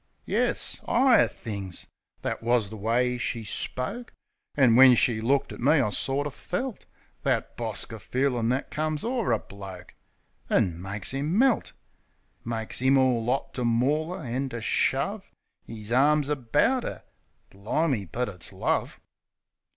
Yes, 'igher things — that wus the way she spoke; An' when she looked at me I sorter felt That bosker feelin' that comes o'er a bloke, An' makes 'im melt; Makes 'im all 'ot to maul 'er, an' to shove 'Is arms about 'er ... Bli'me? but it's love!